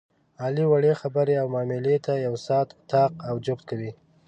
علي وړې خبرې او معاملې ته یو ساعت طاق او جفت کوي.